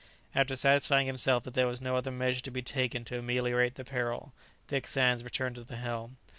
After satisfying himself that there was no other measure to be taken to ameliorate the peril, Dick Sands returned to the helm.